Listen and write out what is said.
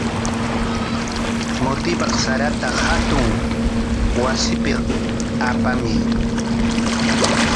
Mutipaq sarata hatun wasipik apamuy.